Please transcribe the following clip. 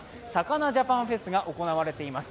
魚ジャパンフェスが行われています。